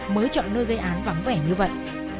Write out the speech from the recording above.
mới chọn nơi gây án vắng vẻ như vậy